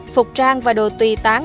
phục trang và đồ tùy tán